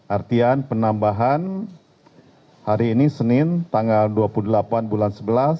artian penambahan hari ini senin tanggal dua puluh delapan bulan sebelas